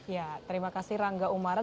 ya terima kasih rangga umaran